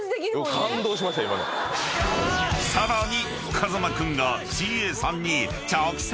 ［さらに］